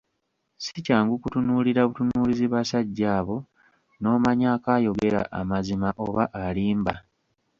Si kyangu kutunuulira butunuulizi basajja abo n'omanyaako ayogera amazimba oba alimba.